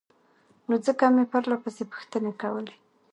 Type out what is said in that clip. نو ځکه مې پرلهپسې پوښتنې کولې